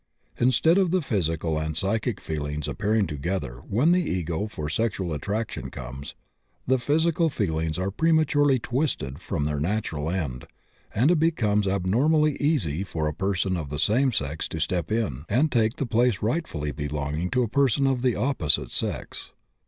Instead of the physical and psychic feelings appearing together when the age for sexual attraction comes, the physical feelings are prematurely twisted from their natural end, and it becomes abnormally easy for a person of the same sex to step in and take the place rightfully belonging to a person of the opposite sex.